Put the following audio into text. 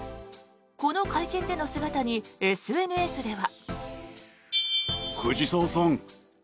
この会見での姿にＳＮＳでは。